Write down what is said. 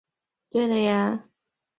可作为食用鱼和观赏鱼。